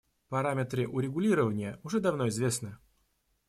Параметры урегулирования уже давно известны.